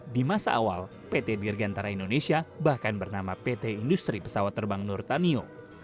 di masa awal pt dirgantara indonesia bahkan bernama pt industri pesawat terbang nurtanio